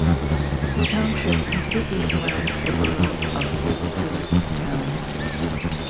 The township completely surrounds the borough of Stewartstown.